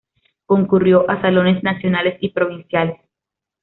Concurrió a salones nacionales y provinciales.